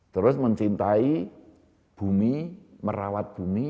terus mencintai bumi merawat bumi